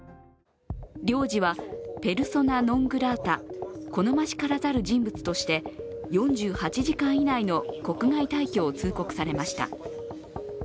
領事はペルソナ・ノン・グラータ＝好ましからざる人物として４８時間以内の国外退去を通告されました。